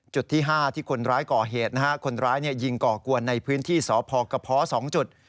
จุดที่๕ที่คนร้ายก่อเหตุนะฮะคนร้ายยิงก่อกวนในพื้นที่สพกระเพาะ๒จุด